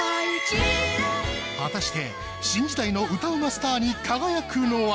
果たして新時代の歌うまスターに輝くのは。